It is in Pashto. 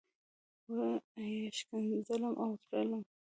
وه یې ښکنځلم او رټلم.